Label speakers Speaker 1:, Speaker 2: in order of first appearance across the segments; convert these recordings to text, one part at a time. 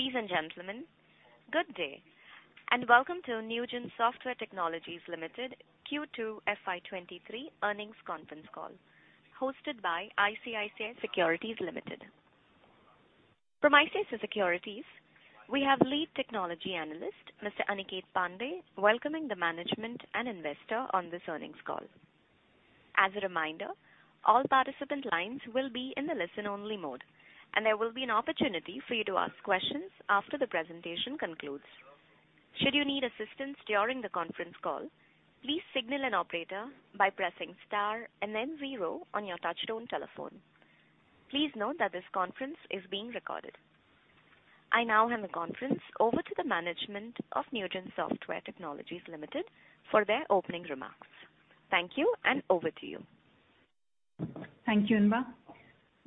Speaker 1: Ladies and gentlemen, good day, and welcome to Newgen Software Technologies Limited Q2 FY'23 earnings conference call, hosted by ICICI Securities Limited. From ICICI Securities, we have Lead Technology Analyst, Mr. Aniket Pande, welcoming the management and investor on this earnings call. As a reminder, all participant lines will be in the listen-only mode, and there will be an opportunity for you to ask questions after the presentation concludes. Should you need assistance during the conference call, please signal an operator by pressing star and then zero on your touchtone telephone. Please note that this conference is being recorded. I now hand the conference over to the management of Newgen Software Technologies Limited for their opening remarks. Thank you, and over to you.
Speaker 2: Thank you, Inba.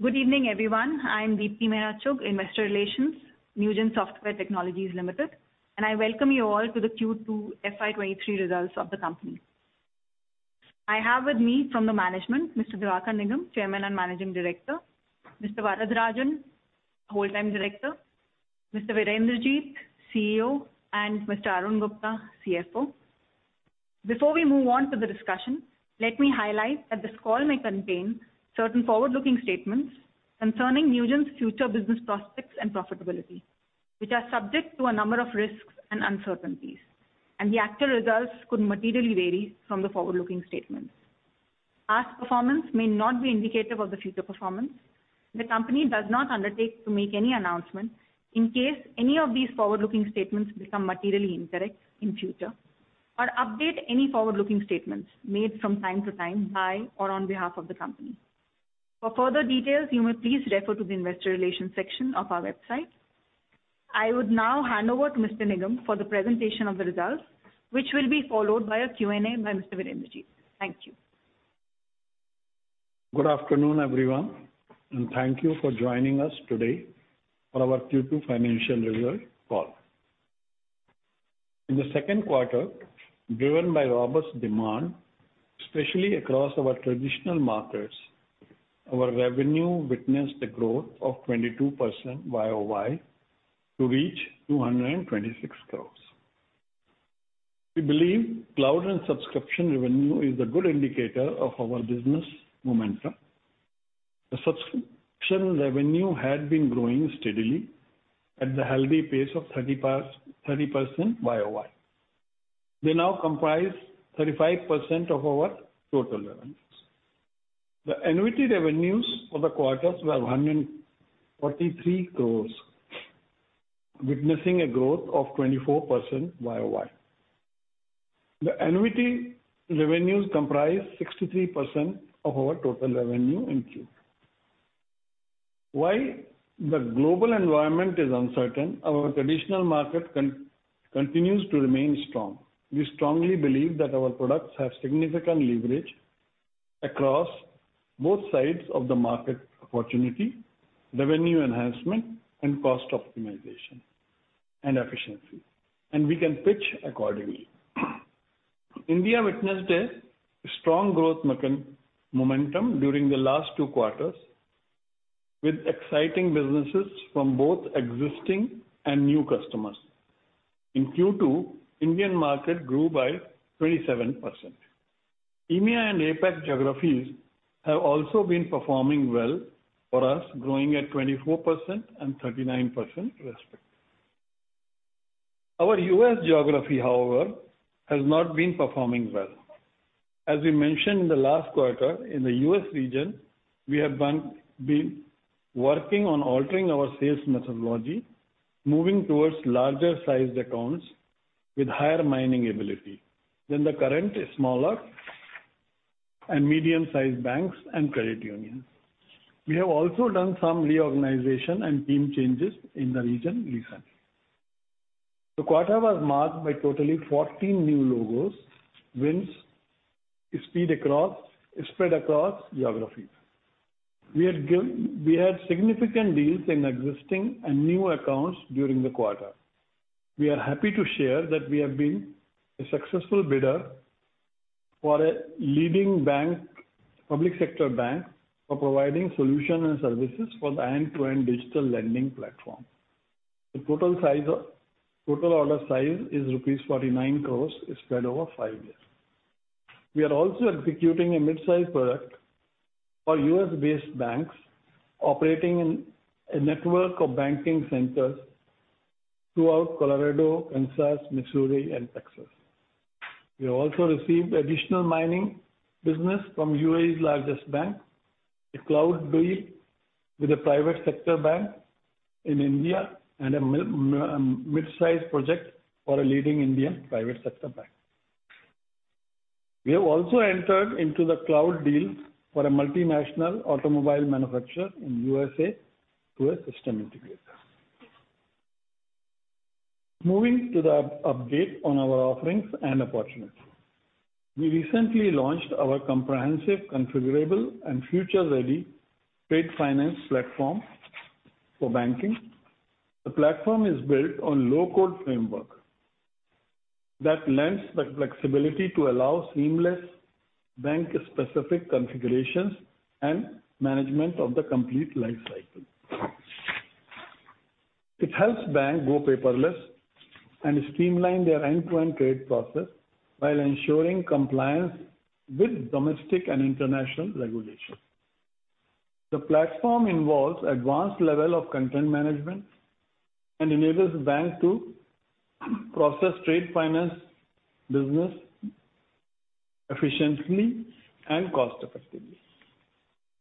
Speaker 2: Good evening, everyone. I'm Deepti Mehra Chugh, investor relations, Newgen Software Technologies Limited, and I welcome you all to the Q2 FY'23 results of the company. I have with me from the management, Mr. Diwakar Nigam, Chairman and Managing Director, Mr. Varadarajan, Whole-time Director, Mr. Virender Jeet, CEO, and Mr. Arun Gupta, CFO. Before we move on to the discussion, let me highlight that this call may contain certain forward-looking statements concerning Newgen's future business prospects and profitability, which are subject to a number of risks and uncertainties, and the actual results could materially vary from the forward-looking statements. Past performance may not be indicative of the future performance. The company does not undertake to make any announcement in case any of these forward-looking statements become materially incorrect in future or update any forward-looking statements made from time to time by or on behalf of the company. For further details, you may please refer to the investor relations section of our website. I would now hand over to Mr. Diwakar Nigam for the presentation of the results, which will be followed by a Q&A by Mr. Virender Jeet. Thank you.
Speaker 3: Good afternoon, everyone, and thank you for joining us today for our Q2 financial result call. In the second quarter, driven by robust demand, especially across our traditional markets, our revenue witnessed a growth of 22% YOY to reach 226 crore. We believe cloud and subscription revenue is a good indicator of our business momentum. The subscription revenue had been growing steadily at the healthy pace of 30% YOY. They now comprise 35% of our total revenues. The annuity revenues for the quarters were INR 143 crore, witnessing a growth of 24% YOY. The annuity revenues comprise 63% of our total revenue in Q2. While the global environment is uncertain, our traditional market continues to remain strong. We strongly believe that our products have significant leverage across both sides of the market opportunity, revenue enhancement and cost optimization and efficiency, and we can pitch accordingly. India witnessed a strong growth momentum during the last two quarters with exciting businesses from both existing and new customers. In Q2, Indian market grew by 27%. EMEA and APAC geographies have also been performing well for us, growing at 24% and 39% respectively. Our U.S. geography, however, has not been performing well. As we mentioned in the last quarter, in the U.S. region, we have been working on altering our sales methodology, moving towards larger-sized accounts with higher mining ability than the current smaller and medium-sized banks and credit unions. We have also done some reorganization and team changes in the region recently. The quarter was marked by totally 14 new logos, wins spread across geographies. We had significant deals in existing and new accounts during the quarter. We are happy to share that we have been a successful bidder for a leading bank, public sector bank, for providing solution and services for the end-to-end Digital Lending platform. The total order size is rupees 49 crores spread over five years. We are also executing a mid-size product for U.S.-based banks operating in a network of banking centers throughout Colorado, Kansas, Missouri and Texas. We have also received additional business from UAE's largest bank, a cloud deal with a private sector bank in India and a mid-size project for a leading Indian private sector bank. We have also entered into the cloud deal for a multinational automobile manufacturer in USA through a system integrator. Moving to the update on our offerings and opportunities. We recently launched our comprehensive, configurable and future-ready trade finance platform for banking. The platform is built on low-code framework. That lends the flexibility to allow seamless bank-specific configurations and management of the complete life cycle. It helps banks go paperless and streamline their end-to-end trade process while ensuring compliance with domestic and international regulation. The platform involves advanced level of content management and enables the bank to process trade finance business efficiently and cost effectively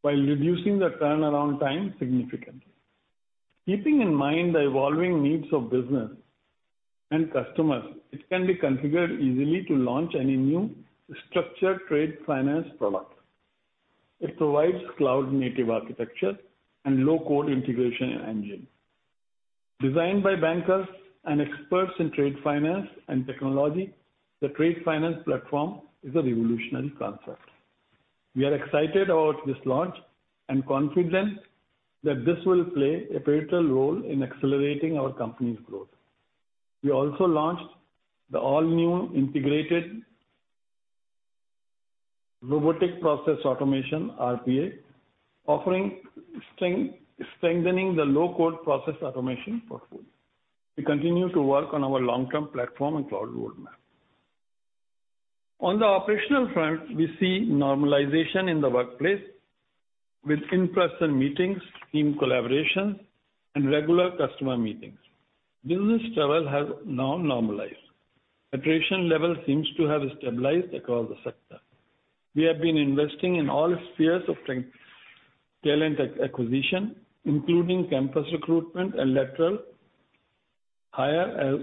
Speaker 3: while reducing the turnaround time significantly. Keeping in mind the evolving needs of business and customers, it can be configured easily to launch any new structured trade finance product. It provides cloud-native architecture and low-code integration engine. Designed by bankers and experts in trade finance and technology, the trade finance platform is a revolutionary concept. We are excited about this launch and confident that this will play a pivotal role in accelerating our company's growth. We also launched the all-new integrated robotic process automation, RPA, offering strengthening the low-code process automation portfolio. We continue to work on our long-term platform and cloud roadmap. On the operational front, we see normalization in the workplace with in-person meetings, team collaborations and regular customer meetings. Business travel has now normalized. Attrition level seems to have stabilized across the sector. We have been investing in all spheres of talent acquisition, including campus recruitment and lateral hire,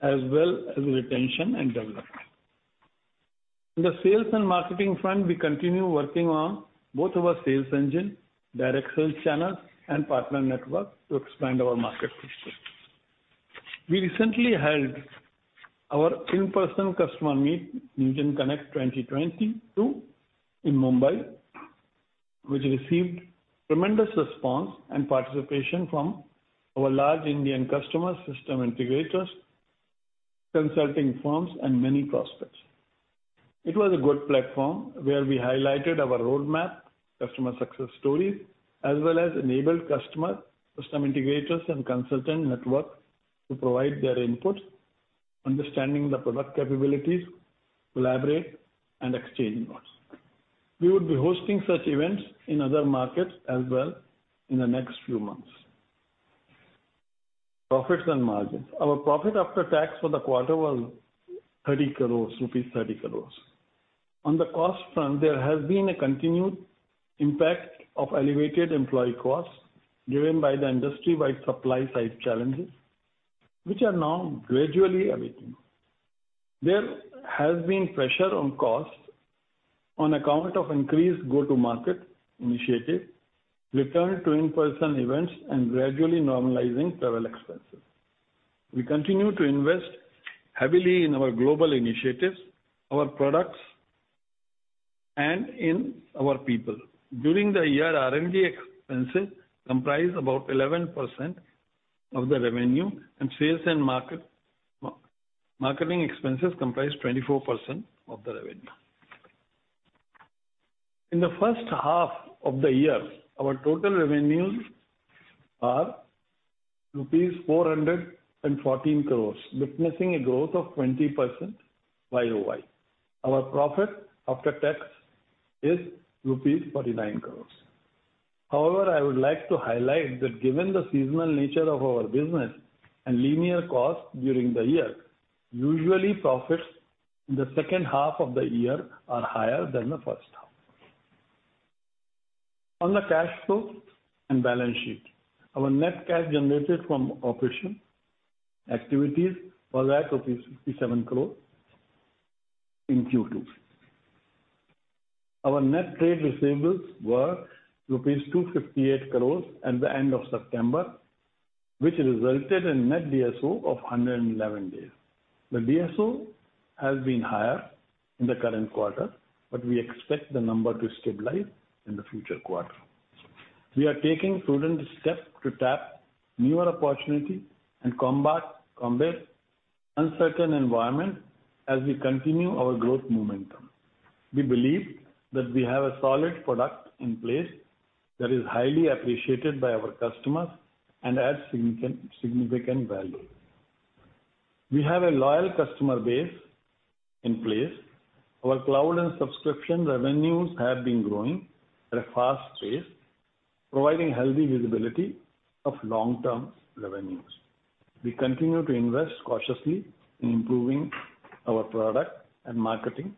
Speaker 3: as well as retention and development. In the sales and marketing front, we continue working on both our sales engine, direct sales channels and partner network to expand our market reach. We recently held our in-person customer meet, Newgen Connect 2022, in Mumbai, which received tremendous response and participation from our large Indian customers, system integrators, consulting firms and many prospects. It was a good platform where we highlighted our roadmap, customer success stories, as well as enabled customer, system integrators and consultant network to provide their input, understanding the product capabilities, collaborate and exchange notes. We will be hosting such events in other markets as well in the next few months. Profits and margins. Our profit after tax for the quarter was 30 crore, rupees 30 crore. On the cost front, there has been a continued impact of elevated employee costs driven by the industry-wide supply side challenges, which are now gradually abating. There has been pressure on costs on account of increased go-to-market initiatives, return to in-person events and gradually normalizing travel expenses. We continue to invest heavily in our global initiatives, our products and in our people. During the year, R&D expenses comprised about 11% of the revenue, and sales and marketing expenses comprised 24% of the revenue. In the first half of the year, our total revenues are rupees 414 crore, witnessing a growth of 20% YOY. Our profit after tax is rupees 49 crore. However, I would like to highlight that given the seasonal nature of our business and linear costs during the year, usually profits in the second half of the year are higher than the first half. On the cash flow and balance sheet, our net cash generated from operating activities was at rupees 67 crore in Q2. Our net trade receivables were rupees 258 crores at the end of September, which resulted in net DSO of 111 days. The DSO has been higher in the current quarter, but we expect the number to stabilize in the future quarters. We are taking prudent steps to tap newer opportunity and combat uncertain environment as we continue our growth momentum. We believe that we have a solid product in place that is highly appreciated by our customers and adds significant value. We have a loyal customer base in place. Our cloud and subscription revenues have been growing at a fast pace, providing healthy visibility of long-term revenues. We continue to invest cautiously in improving our product and marketing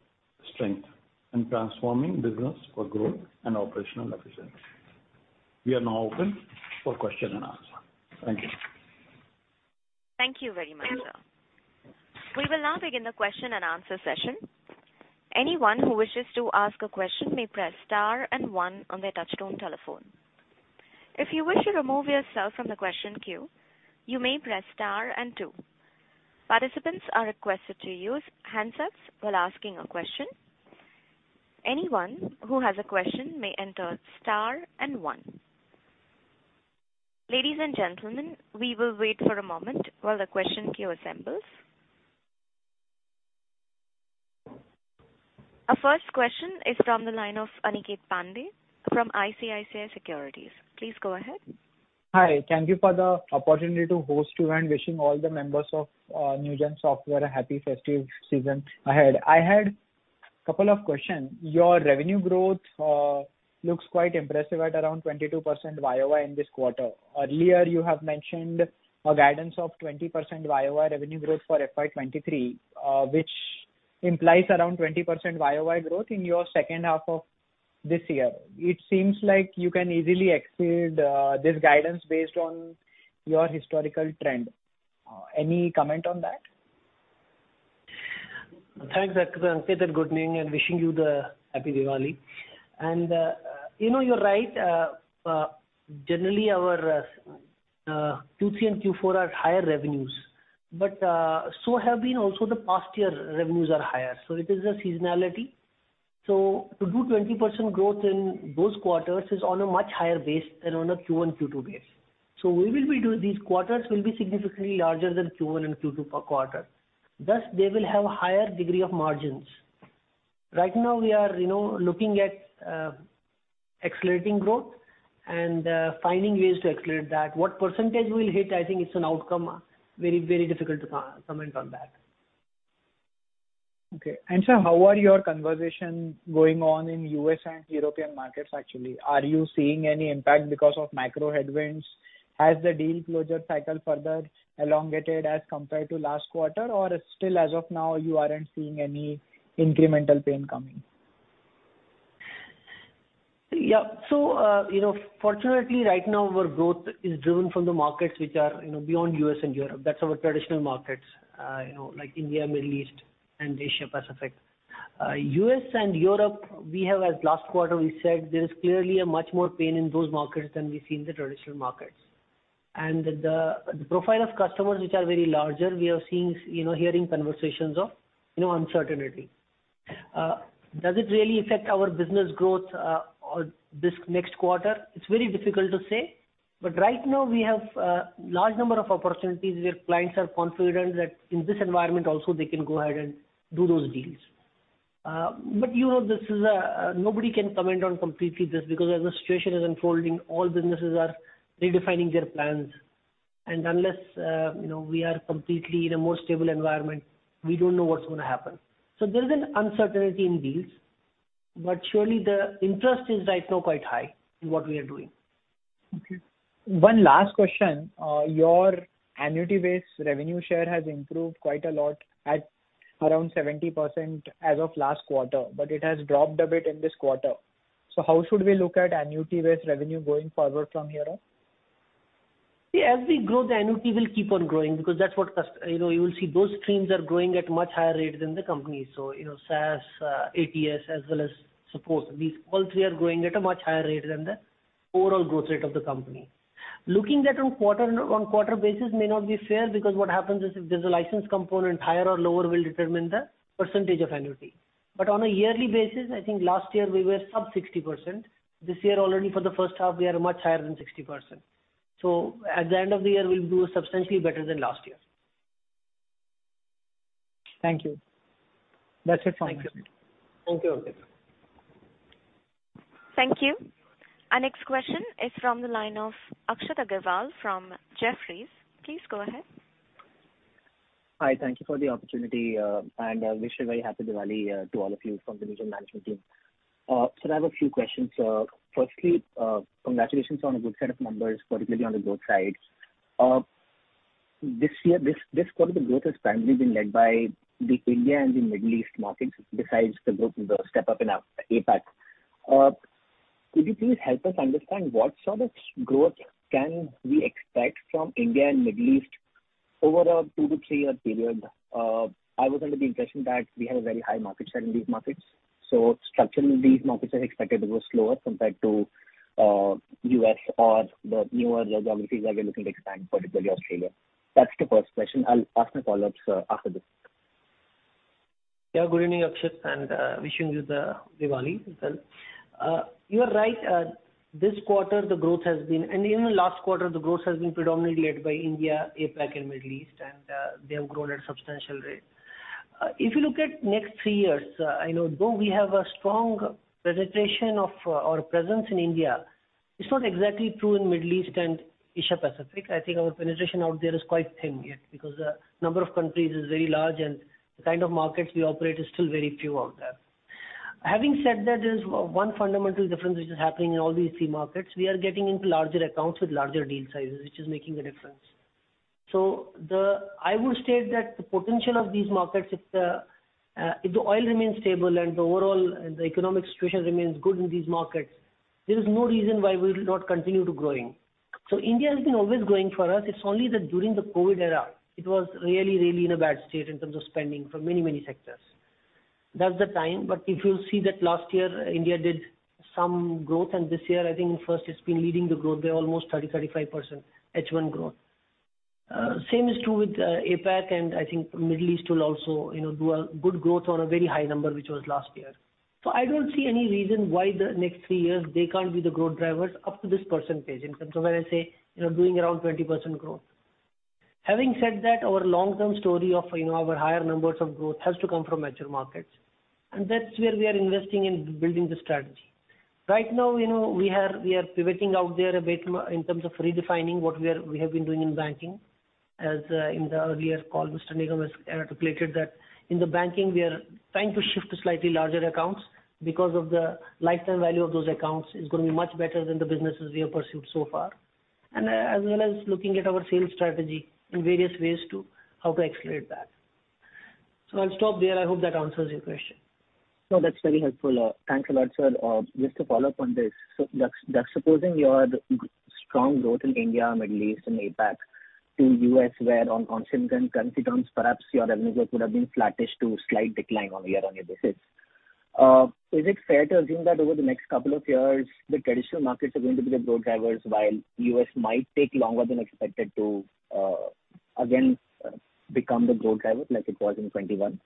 Speaker 3: strength and transforming business for growth and operational efficiency. We are now open for question and answer. Thank you.
Speaker 1: Thank you very much, sir. We will now begin the question and answer session. Anyone who wishes to ask a question may press star and one on their touchtone telephone. If you wish to remove yourself from the question queue, you may press star and two. Participants are requested to use handsets while asking a question. Anyone who has a question may enter star and one. Ladies and gentlemen, we will wait for a moment while the question queue assembles. Our first question is from the line of Aniket Pande from ICICI Securities. Please go ahead.
Speaker 4: Hi. Thank you for the opportunity to host you and wishing all the members of Newgen Software a happy festive season ahead. I had couple of questions. Your revenue growth looks quite impressive at around 22% YOY in this quarter. Earlier, you have mentioned a guidance of 20% YOY revenue growth for FY 2023, which implies around 20% YOY growth in your second half of this year. It seems like you can easily exceed this guidance based on your historical trend. Any comment on that?
Speaker 5: Thanks, Aniket, and good evening, and wishing you the Happy Diwali. You know, you're right. Generally our Q3 and Q4 are higher revenues, but so have been also the past year revenues are higher. It is a seasonality. To do 20% growth in those quarters is on a much higher base than on a Q1, Q2 base. We will be doing. These quarters will be significantly larger than Q1 and Q2 per quarter, thus they will have a higher degree of margins. Right now, we are, you know, looking at accelerating growth and finding ways to accelerate that. What percentage we'll hit, I think it's an outcome very, very difficult to comment on that.
Speaker 4: Okay. Sir, how are your conversations going on in U.S. and European markets actually? Are you seeing any impact because of macro headwinds? Has the deal closure cycle further elongated as compared to last quarter? Or still as of now you aren't seeing any incremental pain coming?
Speaker 5: Yeah. You know, fortunately right now our growth is driven from the markets which are, you know, beyond U.S. and Europe. That's our traditional markets, you know, like India, Middle East, and Asia Pacific. U.S. and Europe, we have, as last quarter we said, there is clearly a much more pain in those markets than we see in the traditional markets. The profile of customers which are very large, we are seeing, you know, hearing conversations of, you know, uncertainty. Does it really affect our business growth or this next quarter? It's very difficult to say. Right now we have a large number of opportunities where clients are confident that in this environment also they can go ahead and do those deals. Nobody can comment on completely this because as the situation is unfolding, all businesses are redefining their plans. Unless we are completely in a more stable environment, we don't know what's gonna happen. There's an uncertainty in deals, but surely the interest is right now quite high in what we are doing.
Speaker 4: Okay. One last question. Your annuity-based revenue share has improved quite a lot at around 70% as of last quarter, but it has dropped a bit in this quarter. How should we look at annuity-based revenue going forward from here on?
Speaker 5: See, as we grow, the annuity will keep on growing because that's what. You know, you will see those streams are growing at much higher rate than the company. You know, SaaS, ATS, as well as support, these all three are growing at a much higher rate than the overall growth rate of the company. Looking at quarter-on-quarter basis may not be fair because what happens is if there's a license component, higher or lower will determine the percentage of annuity. On a yearly basis, I think last year we were sub 60%. This year already for the first half we are much higher than 60%. At the end of the year we'll do substantially better than last year.
Speaker 4: Thank you. That's it from my side.
Speaker 5: Thank you. Okay.
Speaker 1: Thank you. Our next question is from the line of Akshat Agarwal from Jefferies. Please go ahead.
Speaker 6: Hi. Thank you for the opportunity, and I wish a very Happy Diwali to all of you from the Newgen management team. I have a few questions. Firstly, congratulations on a good set of numbers, particularly on the growth side. This year, this quarter the growth has primarily been led by the India and the Middle East markets besides the growth, the step-up in APAC. Could you please help us understand what sort of growth can we expect from India and Middle East over a two- to three-year period? I was under the impression that we had a very high market share in these markets, so structurally these markets are expected to grow slower compared to U.S. or the newer geographies that we are looking to expand, particularly Australia. That's the first question. I'll ask my follow-ups after this.
Speaker 5: Yeah. Good evening, Akshit, and wishing you the Diwali as well. You are right. This quarter the growth has been, and even last quarter, the growth has been predominantly led by India, APAC, and Middle East, and they have grown at a substantial rate. If you look at next three years, I know though we have a strong penetration of, or presence in India, it's not exactly true in Middle East and Asia Pacific. I think our penetration out there is quite thin yet because the number of countries is very large and the kind of markets we operate is still very few out there. Having said that, there's one fundamental difference which is happening in all these three markets. We are getting into larger accounts with larger deal sizes, which is making a difference. I would state that the potential of these markets, if the oil remains stable and the overall economic situation remains good in these markets, there is no reason why we'll not continue to growing. India has been always growing for us. It's only that during the COVID era it was really in a bad state in terms of spending for many sectors. That's the time. If you'll see that last year India did some growth, and this year I think first it's been leading the growth by almost 35% H1 growth. Same is true with APAC, and I think Middle East will also, you know, do a good growth on a very high number, which was last year. I don't see any reason why the next three years they can't be the growth drivers up to this percentage in terms of when I say, you know, doing around 20% growth. Having said that, our long-term story of, you know, our higher numbers of growth has to come from mature markets, and that's where we are investing in building the strategy. Right now, you know, we are pivoting out there a bit in terms of redefining what we are, we have been doing in banking. As in the earlier call, Mr. Nigam has articulated that in the banking, we are trying to shift to slightly larger accounts because of the lifetime value of those accounts is gonna be much better than the businesses we have pursued so far and, as well as looking at our sales strategy and various ways to how to accelerate that. I'll stop there. I hope that answers your question.
Speaker 6: No, that's very helpful. Thanks a lot, sir. Just to follow up on this. Just supposing your strong growth in India, Middle East and APAC to U.S., wherein on same-currency terms, perhaps your revenues would have been flattish to slight decline on a year-on-year basis. Is it fair to assume that over the next couple of years, the traditional markets are going to be the growth drivers, while U.S. Might take longer than expected to again become the growth driver like it was in 2021?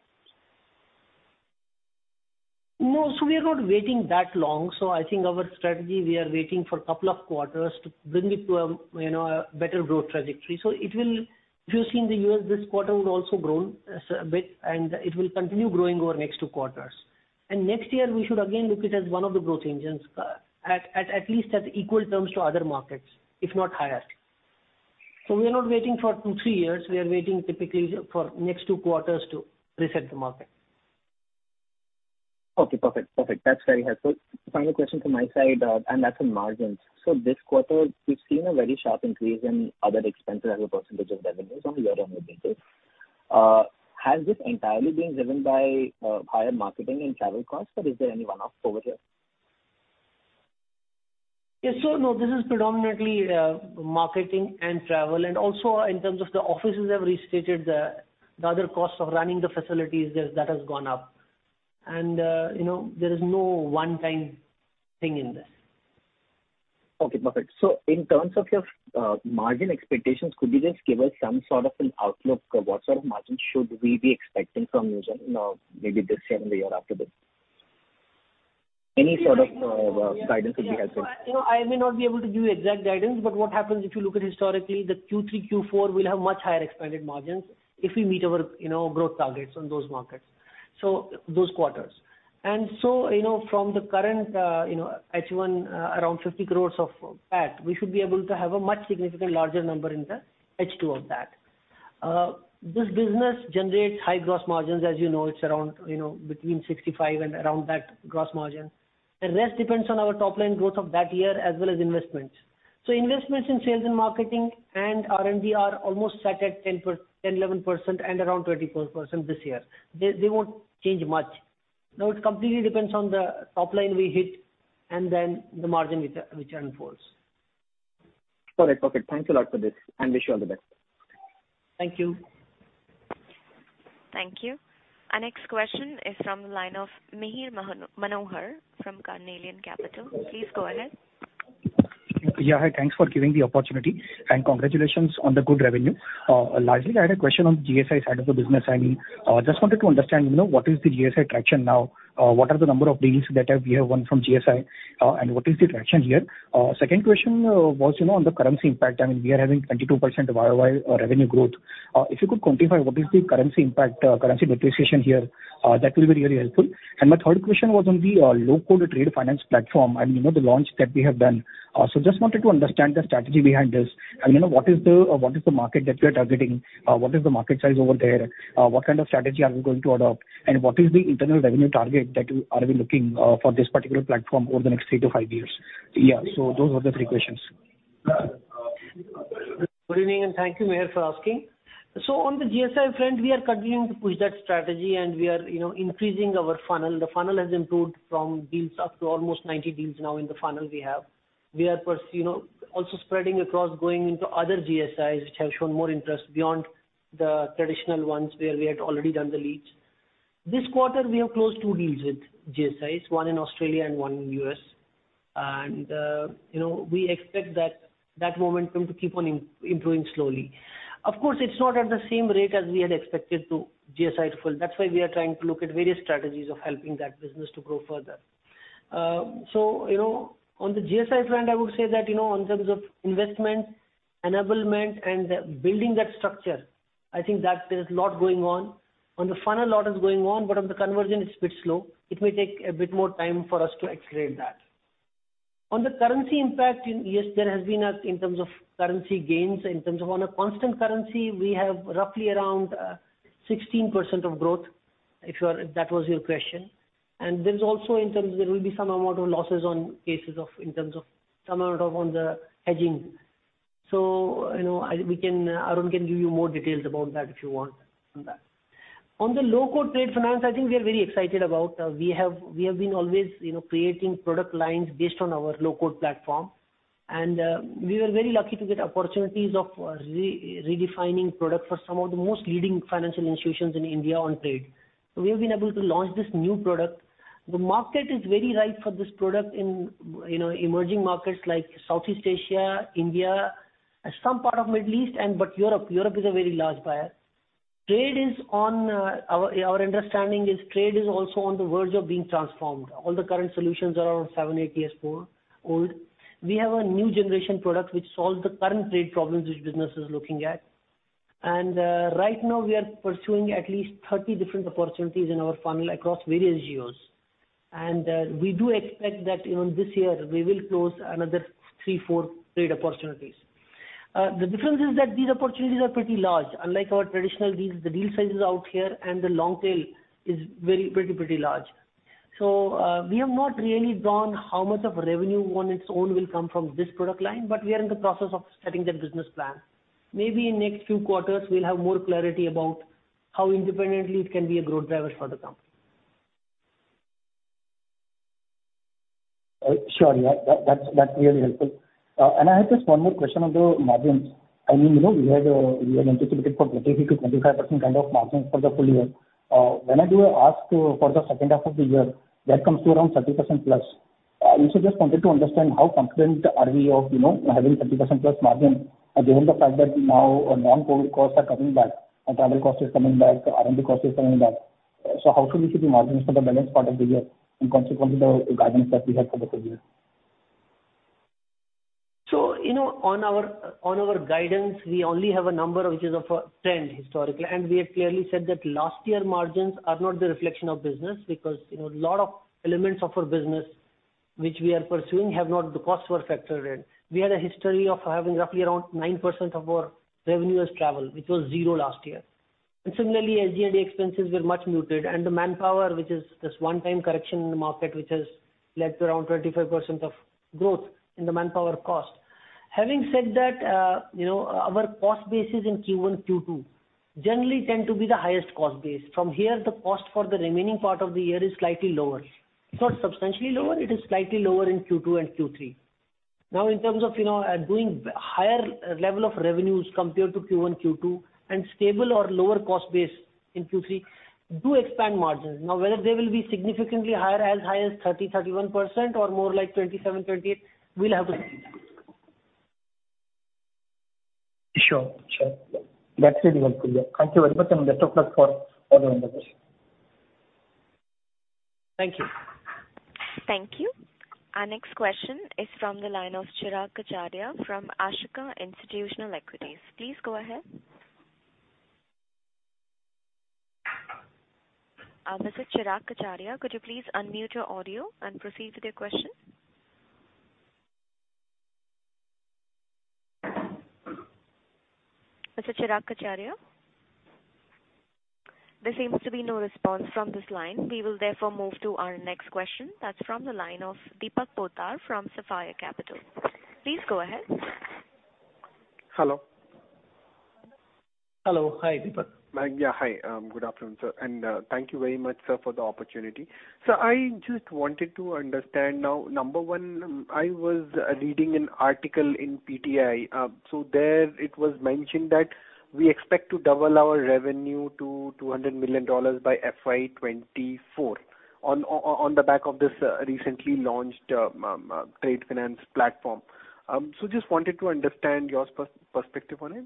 Speaker 5: No. We are not waiting that long. I think our strategy, we are waiting for couple of quarters to bring it to a, you know, a better growth trajectory. It will. If you've seen the U.S., this quarter we've also grown a bit and it will continue growing over next two quarters. Next year we should again look it as one of the growth engines, at least at equal terms to other markets, if not higher. We are not waiting for two, three years. We are waiting typically for next two quarters to reset the market.
Speaker 6: Okay. Perfect. That's very helpful. Final question from my side, and that's on margins. This quarter we've seen a very sharp increase in other expenses as a percentage of revenues on year-on-year basis. Has this entirely been driven by higher marketing and travel costs, or is there any one-off over here?
Speaker 5: Yeah. No, this is predominantly marketing and travel, and also in terms of the offices have restated the other costs of running the facilities. There's that has gone up. You know, there is no one-time thing in this.
Speaker 6: In terms of your margin expectations, could you just give us some sort of an outlook? What sort of margins should we be expecting from you then, maybe this year and the year after this? Any sort of guidance would be helpful.
Speaker 5: You know, I may not be able to give you exact guidance, but what happens if you look at historically, the Q3, Q4 will have much higher expanded margins if we meet our, you know, growth targets on those markets, so those quarters. You know, from the current, you know, H1, around 50 crores of PAT, we should be able to have a much significant larger number in the H2 of that. This business generates high gross margins. As you know, it's around, you know, between 65% and around that gross margin. The rest depends on our top line growth of that year as well as investments. Investments in sales and marketing and R&D are almost set at 10%-11% and around 24% this year. They won't change much. Now, it completely depends on the top line we hit and then the margin which unfolds.
Speaker 6: Got it. Perfect. Thanks a lot for this, and wish you all the best.
Speaker 5: Thank you.
Speaker 1: Thank you. Our next question is from the line of Mihir Manohar from Carnelian Capital. Please go ahead.
Speaker 7: Yeah. Hi. Thanks for giving the opportunity, and congratulations on the good revenue. Largely I had a question on the GSI side of the business. I mean, just wanted to understand, you know, what is the GSI traction now? What are the number of deals that you have won from GSI, and what is the traction here? Second question was, you know, on the currency impact. I mean, we are having 22% YOY revenue growth. If you could quantify what is the currency impact, currency depreciation here, that will be really helpful. My third question was on the low-code trade finance platform and, you know, the launch that we have done. So just wanted to understand the strategy behind this and, you know, what is the market that we are targeting? What is the market size over there? What kind of strategy are we going to adopt, and what is the internal revenue target that we are looking for this particular platform over the next three to five years? Yeah. Those were the three questions.
Speaker 5: Good evening, and thank you, Mihir, for asking. On the GSI front, we are continuing to push that strategy and we are, you know, increasing our funnel. The funnel has improved from deals up to almost 90 deals now in the funnel we have. We are, you know, also spreading across, going into other GSIs which have shown more interest beyond the traditional ones where we had already done the leads. This quarter we have closed 2 deals with GSIs, one in Australia and one in U.S. You know, we expect that momentum to keep on improving slowly. Of course, it's not at the same rate as we had expected to GSIs to fill. That's why we are trying to look at various strategies of helping that business to grow further. You know, on the GSI front, I would say that, you know, in terms of investment, enablement and the building that structure, I think that there is a lot going on. On the funnel a lot is going on, but on the conversion it's a bit slow. It may take a bit more time for us to accelerate that. On the currency impact, yes, there has been a, in terms of currency gains. In terms of, on a constant currency, we have roughly around 16% of growth, if that was your question. There's also in terms there will be some amount of losses on account of, in terms of some amount of on the hedging. You know, Arun can give you more details about that if you want on that. On the low-code trade finance, I think we are very excited about. We have been always, you know, creating product lines based on our low-code platform. We were very lucky to get opportunities of redefining product for some of the most leading financial institutions in India on trade. We have been able to launch this new product. The market is very right for this product in, you know, emerging markets like Southeast Asia, India, some part of Middle East and but Europe. Europe is a very large buyer. Trade is on our understanding is trade is also on the verge of being transformed. All the current solutions are around seven, eight years old. We have a new generation product which solves the current trade problems which business is looking at. Right now we are pursuing at least 30 different opportunities in our funnel across various geos. We do expect that, you know, this year we will close another three to four trade opportunities. The difference is that these opportunities are pretty large, unlike our traditional deals. The deal size is out here, and the long tail is very pretty large. We have not really drawn how much of revenue on its own will come from this product line, but we are in the process of setting that business plan. Maybe in next few quarters we'll have more clarity about how independently it can be a growth driver for the company.
Speaker 7: Sure. Yeah, that's really helpful. I have just one more question on the margins. I mean, you know, we had anticipated for 23%-25% kind of margins for the full year. When I do the math for the second half of the year, that comes to around 30%+. We just wanted to understand how confident we are of, you know, having 30%+ margin given the fact that now non-COVID costs are coming back and travel costs is coming back, R&D costs is coming back. How should we see the margins for the balance part of the year and consequently the guidance that we have for the full year?
Speaker 5: You know, on our guidance, we only have a number which is of a trend historically. We have clearly said that last year margins are not the reflection of business because, you know, lot of elements of our business which we are pursuing have not had the costs factored in. We had a history of having roughly around 9% of our revenue as travel, which was zero last year. Similarly, SG&A expenses were much muted. The manpower, which is this one time correction in the market, which has led to around 25% of growth in the manpower cost. Having said that, you know, our cost bases in Q1, Q2 generally tend to be the highest cost base. From here, the cost for the remaining part of the year is slightly lower. It's not substantially lower. It is slightly lower in Q2 and Q3. Now in terms of, you know, doing higher level of revenues compared to Q1, Q2 and stable or lower cost base in Q3 do expand margins. Now, whether they will be significantly higher, as high as 30-31% or more like 27-28%, we'll have to see.
Speaker 7: Sure. Sure. That's really helpful. Thank you very much. Best of luck for all the endeavors.
Speaker 5: Thank you.
Speaker 1: Thank you. Our next question is from the line of Chirag Kachhadiya from Ashika Institutional Equities. Please go ahead. Mr. Chirag Kachhadiya, could you please unmute your audio and proceed with your question? Mr. Chirag Kachhadiya? There seems to be no response from this line. We will therefore move to our next question. That's from the line of Deepak Poddar from Sapphire Capital. Please go ahead.
Speaker 8: Hello.
Speaker 5: Hello. Hi, Deepak.
Speaker 8: Yeah. Hi. Good afternoon, sir. Thank you very much, sir, for the opportunity. I just wanted to understand now, number one, I was reading an article in PTI. There it was mentioned that we expect to double our revenue to $200 million by FY 2024 on the back of this recently launched trade finance platform. Just wanted to understand your perspective on it.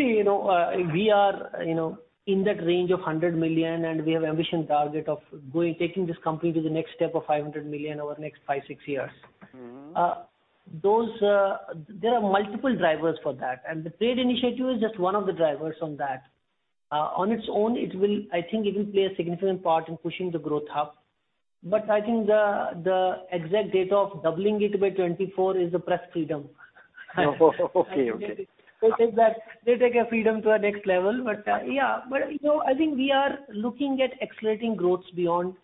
Speaker 5: See, you know, we are, you know, in that range of $100 million, and we have ambitious target of taking this company to the next step of $500 million over the next five to six years.
Speaker 8: Mm-hmm.
Speaker 5: There are multiple drivers for that, and the trade initiative is just one of the drivers on that. On its own it will, I think, play a significant part in pushing the growth up. I think the exact date of doubling it by 2024 is flexible.
Speaker 8: Okay.
Speaker 5: They take that. They take our freedom to a next level. Yeah. You know, I think we are looking at accelerating growth beyond.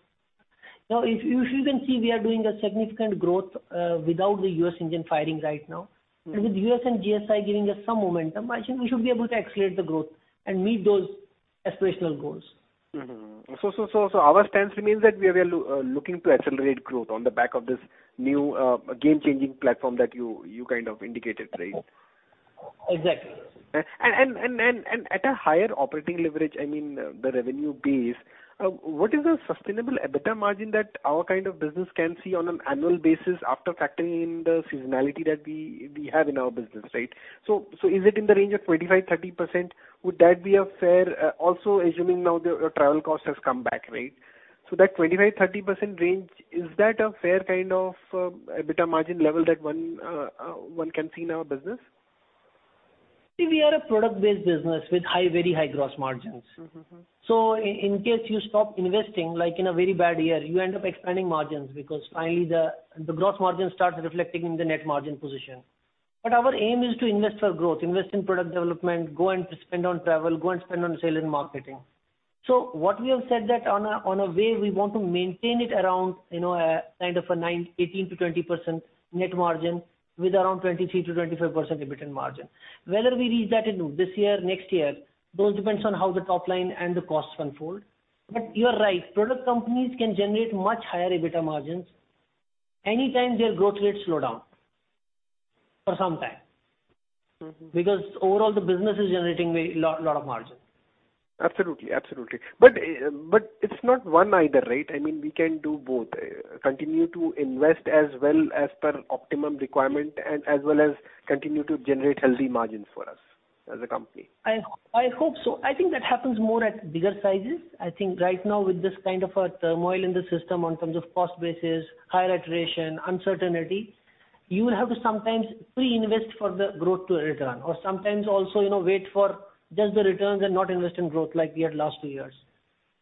Speaker 5: Now, if you can see, we are doing a significant growth without the U.S. engine firing right now.
Speaker 8: Mm-hmm.
Speaker 5: With U.S. and GSI giving us some momentum, I think we should be able to accelerate the growth and meet those aspirational goals.
Speaker 8: Mm-hmm. Our stance remains that we are looking to accelerate growth on the back of this new game changing platform that you kind of indicated, right?
Speaker 5: Exactly.
Speaker 8: At a higher operating leverage, I mean the revenue base, what is the sustainable EBITDA margin that our kind of business can see on an annual basis after factoring in the seasonality that we have in our business, right? Is it in the range of 25%-30%? Would that be a fair, also assuming now the travel cost has come back, right? That 25%-30% range, is that a fair kind of EBITDA margin level that one can see in our business?
Speaker 5: See, we are a product-based business with high, very high gross margins.
Speaker 8: Mm-hmm.
Speaker 5: In case you stop investing, like in a very bad year, you end up expanding margins because finally the gross margin starts reflecting in the net margin position. Our aim is to invest for growth, invest in product development, go and spend on travel, go and spend on sales and marketing. What we have said that anyway we want to maintain it around 18%-20% net margin with around 23%-25% EBITDA margin. Whether we reach that in this year, next year, that depends on how the top line and the costs unfold. You are right, product companies can generate much higher EBITDA margins anytime their growth rates slow down for some time.
Speaker 8: Mm-hmm.
Speaker 5: Because overall the business is generating a lot of margin.
Speaker 8: Absolutely. It's not one either, right? I mean, we can do both, continue to invest as well as per optimum requirement and as well as continue to generate healthy margins for us as a company.
Speaker 5: I hope so. I think that happens more at bigger sizes. I think right now with this kind of a turmoil in the system in terms of cost basis, higher attrition, uncertainty, you will have to sometimes pre-invest for the growth to return or sometimes also, you know, wait for just the returns and not invest in growth like we had last two years.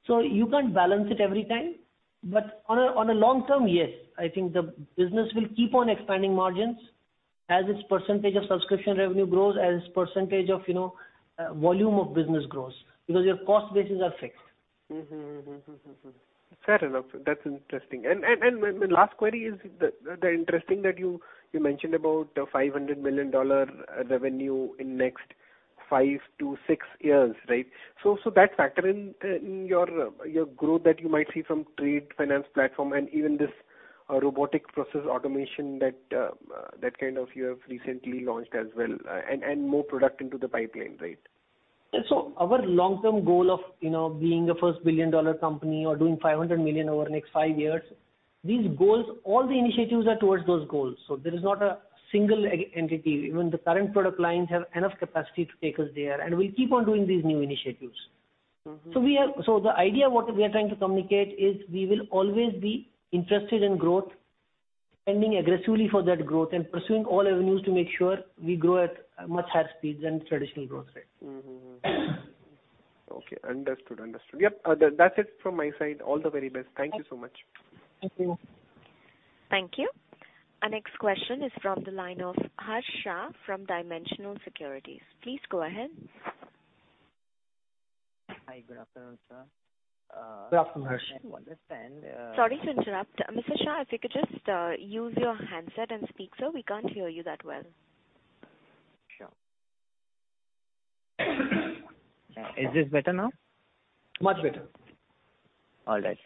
Speaker 5: You can't balance it every time. But on a long term, yes, I think the business will keep on expanding margins as its percentage of subscription revenue grows, as percentage of, you know, volume of business grows because your cost bases are fixed.
Speaker 8: Fair enough. That's interesting. My last query is the interesting that you mentioned about the $500 million revenue in next 5-6 years, right? That factor in your growth that you might see from Trade Finance platform and even this Robotic Process Automation that kind of you have recently launched as well, and more product into the pipeline, right?
Speaker 5: Our long-term goal of, you know, being a first billion-dollar company or doing $500 million over the next five years, these goals, all the initiatives are towards those goals. There is not a single entity. Even the current product lines have enough capacity to take us there. We keep on doing these new initiatives.
Speaker 8: Mm-hmm.
Speaker 5: The idea what we are trying to communicate is we will always be interested in growth, spending aggressively for that growth and pursuing all avenues to make sure we grow at much higher speeds than traditional growth rate.
Speaker 8: Mm-hmm. Okay. Understood. Yep. That's it from my side. All the very best. Thank you so much.
Speaker 5: Thank you.
Speaker 1: Thank you. Our next question is from the line of Harsh Shah from Dimensional Securities. Please go ahead.
Speaker 9: Hi, good afternoon, sir.
Speaker 5: Good afternoon, Harsh.
Speaker 9: I want to understand.
Speaker 1: Sorry to interrupt. Mr. Shah, if you could just use your handset and speak, sir. We can't hear you that well.
Speaker 9: Sure. Is this better now?
Speaker 5: Much better.
Speaker 9: All right.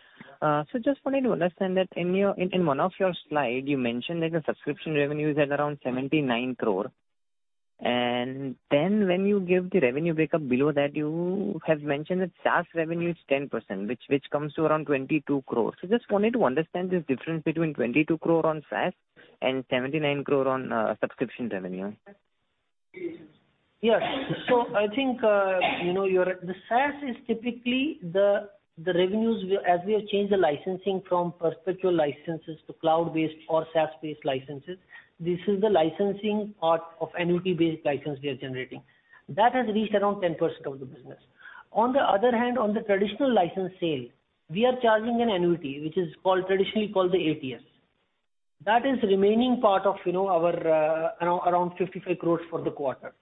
Speaker 9: Just wanted to understand that in your one of your slide, you mentioned that the subscription revenue is at around 79 crore. Then when you give the revenue break-up below that, you have mentioned that SaaS revenue is 10%, which comes to around 22 crore. Just wanted to understand this difference between 22 crore on SaaS and 79 crore on subscription revenue.
Speaker 5: Yes. I think, you know, The SaaS is typically the revenues we, as we have changed the licensing from perpetual licenses to cloud-based or SaaS-based licenses. This is the licensing part of annuity-based license we are generating. That has reached around 10% of the business. On the other hand, on the traditional license sale, we are charging an annuity, which is called, traditionally called the ATS. That is remaining part of, you know, our, around 55 crore for the quarter.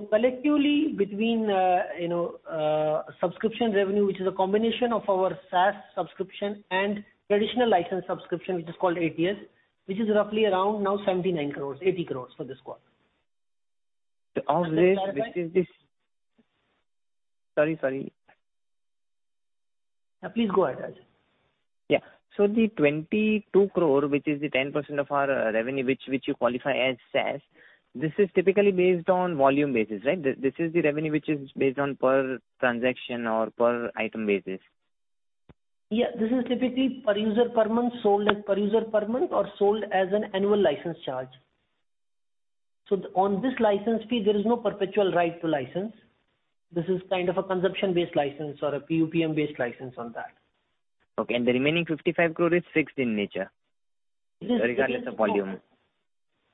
Speaker 5: Collectively, between, you know, subscription revenue, which is a combination of our SaaS subscription and traditional license subscription, which is called ATS, which is roughly around now 79-80 crore for this quarter.
Speaker 9: Of this is this-
Speaker 5: Sorry, sorry. Please go ahead, Harsh.
Speaker 9: Yeah. The 22 crore, which is the 10% of our revenue, which you qualify as SaaS, this is typically based on volume basis, right? This is the revenue which is based on per transaction or per item basis.
Speaker 5: This is typically per user per month, sold as per user per month or sold as an annual license charge. On this license fee, there is no perpetual right to license. This is kind of a consumption-based license or a PUPM-based license on that.
Speaker 9: Okay. The remaining 55 crore is fixed in nature.
Speaker 5: It is.
Speaker 9: Regardless of volume.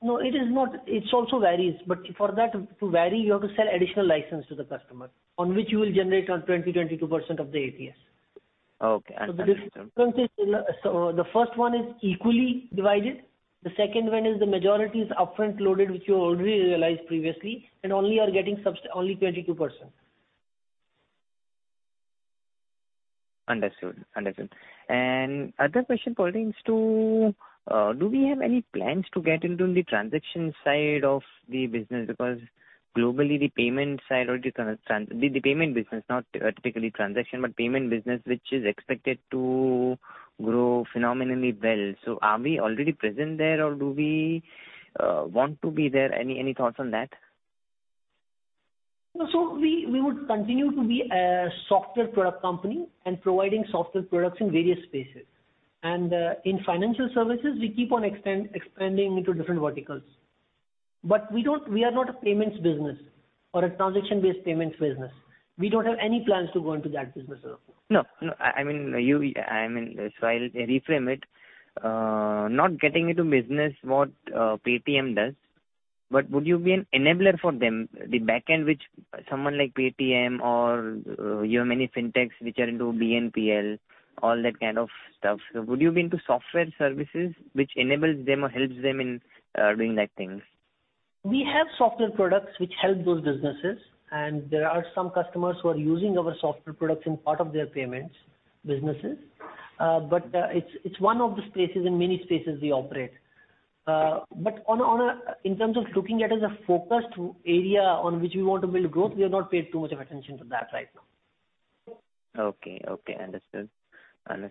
Speaker 5: No, it is not. It also varies. For that to vary, you have to sell additional license to the customer on which you will generate on 22% of the ATS.
Speaker 9: Okay. Understood, sir.
Speaker 5: The difference is, so the first one is equally divided. The second one is the majority is upfront loaded, which you already realized previously, and only are getting only 22%.
Speaker 9: Understood. Other question pertains to, do we have any plans to get into the transaction side of the business? Because globally, the payment side or the payment business, not typically transaction, but payment business, which is expected to grow phenomenally well. Are we already present there or do we want to be there? Any thoughts on that?
Speaker 5: We would continue to be a software product company and providing software products in various spaces. In financial services, we keep on expanding into different verticals. We are not a payments business or a transaction-based payments business. We don't have any plans to go into that business at all.
Speaker 9: No, I mean, I'll reframe it. Not getting into business what Paytm does, but would you be an enabler for them? The back end which someone like Paytm or you have many fintechs which are into BNPL, all that kind of stuff. Would you be into software services which enables them or helps them in doing those things?
Speaker 5: We have software products which help those businesses, and there are some customers who are using our software products in part of their payments businesses. It's one of the spaces in many spaces we operate. In terms of looking at as a focused area on which we want to build growth, we have not paid too much of attention to that right now.
Speaker 9: Okay. Understood. On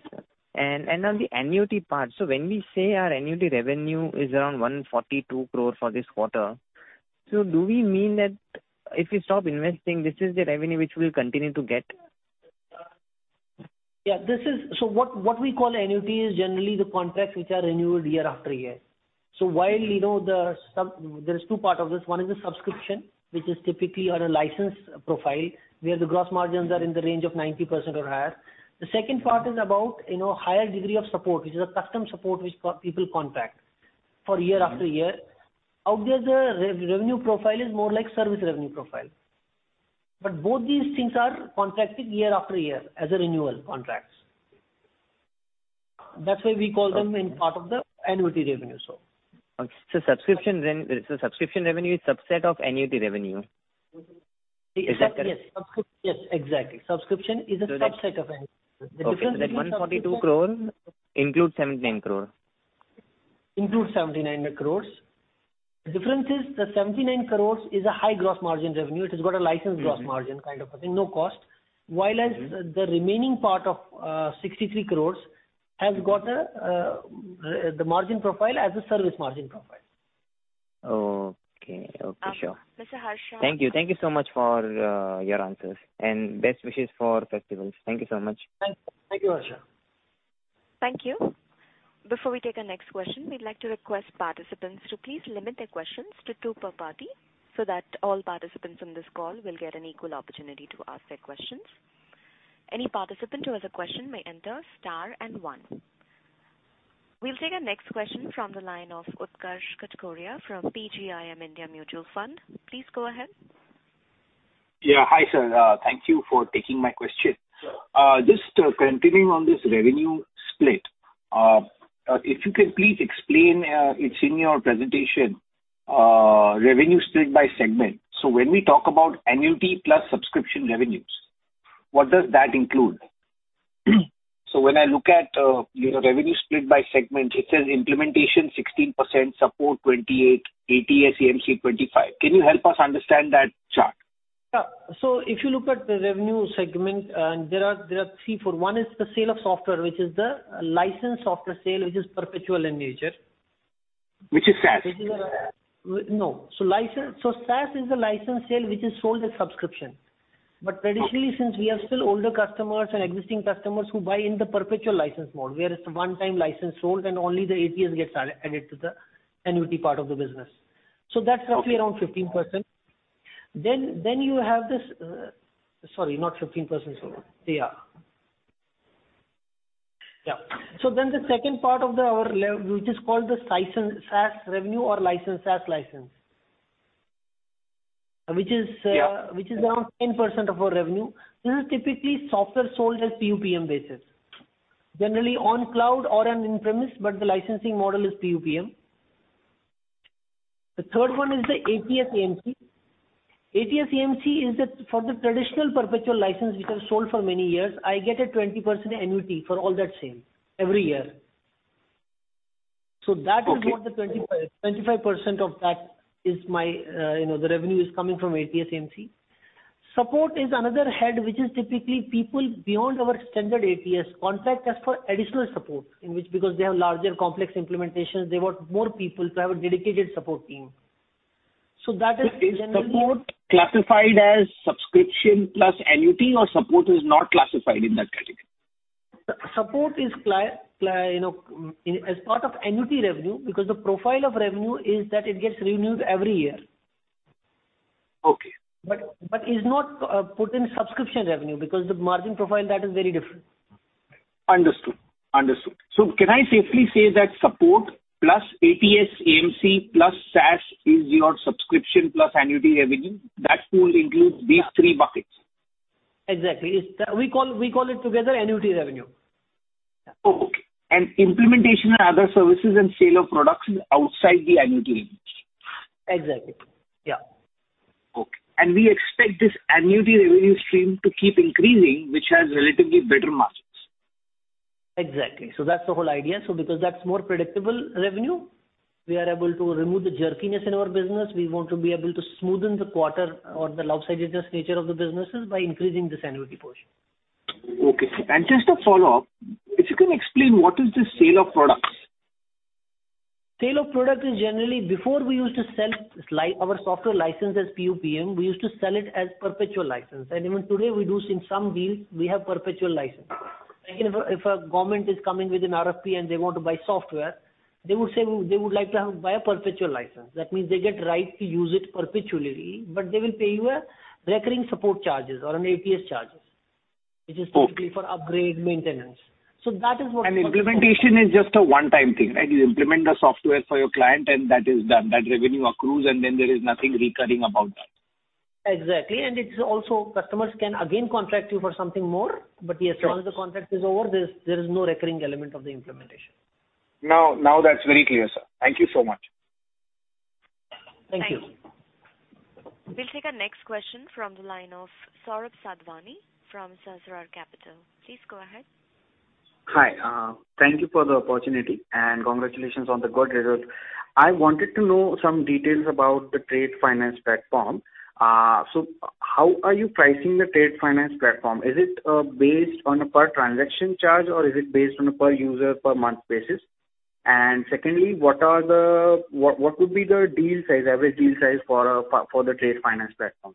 Speaker 9: the annuity part, so when we say our annuity revenue is around 142 crore for this quarter, so do we mean that if we stop investing, this is the revenue which we'll continue to get?
Speaker 5: What we call annuity is generally the contracts which are renewed year after year. While, you know, there is two part of this. One is the subscription, which is typically on a license profile, where the gross margins are in the range of 90% or higher. The second part is about, you know, higher degree of support, which is a customer support which customers contract for year after year. Out there, the revenue profile is more like service revenue profile. But both these things are contracted year after year as a renewal contracts. That's why we call them as part of the annuity revenue.
Speaker 9: Subscription revenue is subset of annuity revenue.
Speaker 5: Yes. Yes, exactly. Subscription is a subset of annuity. The difference between-
Speaker 9: Okay. That 142 crore includes 79 crore.
Speaker 5: Includes 79 crores. The difference is the 79 crores is a high gross margin revenue. It has got a license-
Speaker 9: Mm-hmm.
Speaker 5: Gross margin kind of a thing, no cost.
Speaker 9: Mm-hmm.
Speaker 5: As the remaining part of 63 crores has got the margin profile as a service margin profile.
Speaker 9: Okay. Okay, sure.
Speaker 1: Mr. Harsh
Speaker 9: Thank you. Thank you so much for your answers, and best wishes for festivals. Thank you so much.
Speaker 5: Thank you, Harsh.
Speaker 1: Thank you. Before we take our next question, we'd like to request participants to please limit their questions to two per party so that all participants on this call will get an equal opportunity to ask their questions. Any participant who has a question may enter star and one. We'll take our next question from the line of Utkarsh Katkoria from PGIM India Mutual Fund. Please go ahead.
Speaker 10: Yeah. Hi, sir. Thank you for taking my question.
Speaker 5: Sure.
Speaker 10: Just continuing on this revenue split, if you can please explain. It's in your presentation, revenue split by segment. When we talk about annuity plus subscription revenues, what does that include? When I look at, you know, revenue split by segment, it says implementation 16%, support 28%, ATS/AMC 25%. Can you help us understand that chart?
Speaker 5: If you look at the revenue segment, there are three, four. One is the sale of software, which is the license software sale, which is perpetual in nature.
Speaker 10: Which is SaaS.
Speaker 5: SaaS is the license sale which is sold as subscription. But traditionally
Speaker 10: Okay.
Speaker 5: Since we have still older customers and existing customers who buy in the perpetual license model, where it's one time license sold, and only the ATS gets added to the annuity part of the business. That's
Speaker 10: Okay.
Speaker 5: Roughly around 15%. You have this. Sorry, not 15%. Sorry. Yeah. Yeah. The second part which is called the license SaaS revenue or license SaaS license, which is
Speaker 10: Yeah.
Speaker 5: which is around 10% of our revenue. This is typically software sold as PUPM basis. Generally on cloud or on-premises, but the licensing model is PUPM. The third one is the ATS/AMC. ATS/AMC is for the traditional perpetual license which was sold for many years. I get a 20% annuity for all that sale every year. That is.
Speaker 10: Okay.
Speaker 5: What the 25% of that is, you know, the revenue is coming from ATS/AMC. Support is another head which is typically people beyond our standard ATS contract. That's for additional support in which, because they have larger complex implementations, they want more people to have a dedicated support team. That is generally-
Speaker 10: Is support classified as subscription plus annuity or support is not classified in that category?
Speaker 5: Support is client, you know, as part of annuity revenue because the profile of revenue is that it gets renewed every year.
Speaker 10: Okay.
Speaker 5: Is not put in subscription revenue because the margin profile that is very different.
Speaker 10: Understood. Can I safely say that support plus ATS/AMC plus SaaS is your subscription plus annuity revenue? That pool includes these three buckets.
Speaker 5: Exactly. We call it together annuity revenue. Yeah.
Speaker 10: Oh, okay. Implementation and other services and sale of products is outside the annuity reach.
Speaker 5: Exactly. Yeah.
Speaker 10: Okay. We expect this annuity revenue stream to keep increasing, which has relatively better margins.
Speaker 5: Exactly. That's the whole idea. Because that's more predictable revenue, we are able to remove the jerkiness in our business. We want to be able to smoothen the quarter or the lopsidedness nature of the businesses by increasing this annuity portion.
Speaker 10: Okay. Just a follow-up. If you can explain what is the sale of products?
Speaker 5: Sale of product is generally, before we used to sell our software license as PUPM, we used to sell it as perpetual license. Even today we do, in some deals we have perpetual license. Again, if a government is coming with an RFP and they want to buy software, they would say they would like to buy a perpetual license. That means they get the right to use it perpetually, but they will pay you a recurring support charges or an ATS charges.
Speaker 10: Okay.
Speaker 5: Which is typically for upgrade, maintenance. That is what-
Speaker 10: Implementation is just a one-time thing, right? You implement the software for your client and that is done. That revenue accrues and then there is nothing recurring about that.
Speaker 5: Exactly. It's also, customers can again contract you for something more.
Speaker 10: Sure.
Speaker 5: Yes, once the contract is over, there is no recurring element of the implementation.
Speaker 10: Now that's very clear, sir. Thank you so much.
Speaker 5: Thank you.
Speaker 1: Thank you. We'll take our next question from the line of Saurabh Sadhwani from Sahasrar Capital. Please go ahead.
Speaker 11: Hi, thank you for the opportunity and congratulations on the good results. I wanted to know some details about the Trade Finance platform. How are you pricing the Trade Finance platform? Is it based on a per transaction charge or is it based on a per user per month basis? Secondly, what would be the deal size, average deal size for the Trade Finance platform?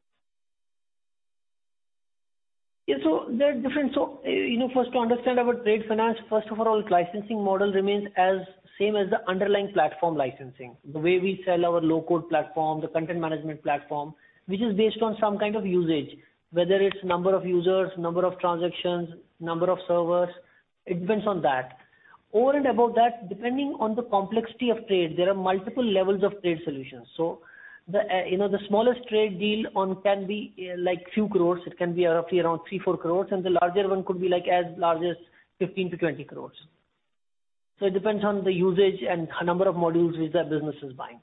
Speaker 5: There are different. You know, first to understand our Trade Finance, first of all, its licensing model remains the same as the underlying platform licensing. The way we sell our low-code platform, the content management platform, which is based on some kind of usage, whether it's number of users, number of transactions, number of servers, it depends on that. Over and above that, depending on the complexity of trade, there are multiple levels of trade solutions. You know, the smallest trade deal one can be like a few crores. It can be roughly around 3-4 crores, and the larger one could be like as large as 15-20 crores. It depends on the usage and the number of modules which that business is buying.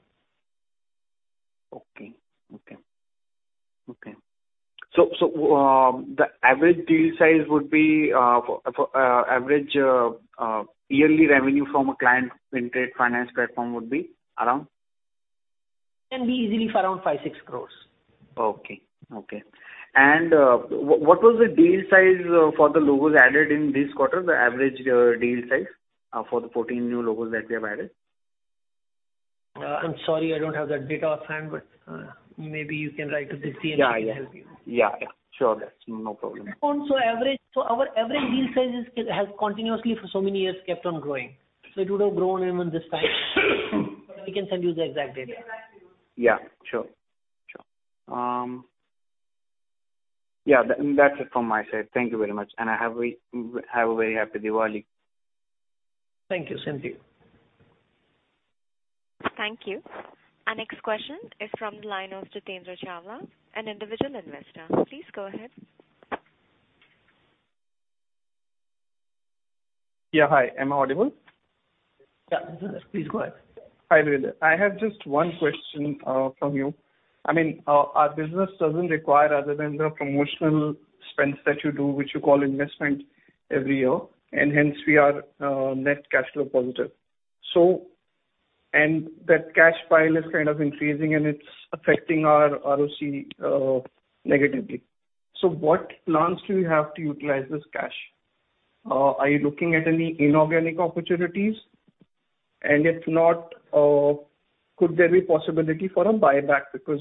Speaker 11: Okay. The average deal size would be for average yearly revenue from a client in Trade Finance platform would be around?
Speaker 5: Can be easily for around 5-6 crores.
Speaker 11: What was the deal size for the logos added in this quarter? The average deal size for the 14 new logos that we have added?
Speaker 5: I'm sorry, I don't have that data offhand, but maybe you can write to
Speaker 11: Yeah.
Speaker 5: Deepti and she can help you.
Speaker 11: Yeah, yeah. Sure. No problem.
Speaker 5: Our average deal size is, has continuously for so many years kept on growing, so it would have grown even this time. We can send you the exact data.
Speaker 11: Yeah, sure. Yeah. That's it from my side. Thank you very much. Have a very Happy Diwali.
Speaker 5: Thank you. Same to you.
Speaker 1: Thank you. Our next question is from the line of Jitendra Chawla, an individual investor. Please go ahead.
Speaker 12: Yeah. Hi. Am I audible?
Speaker 5: Yeah. Please go ahead.
Speaker 12: Hi, Virender Jeet. I have just one question from you. I mean, our business doesn't require other than the promotional spends that you do, which you call investment every year. Hence we are net cash flow positive. That cash pile is kind of increasing and it's affecting our ROC negatively. What plans do you have to utilize this cash? Are you looking at any inorganic opportunities? If not, could there be possibility for a buyback? Because